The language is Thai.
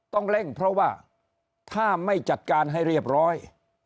ต้องเร่งเพราะว่าถ้าไม่จัดการให้เรียบร้อย